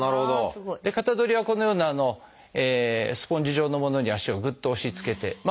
で型取りはこのようなスポンジ状のものに足をグッと押しつけて。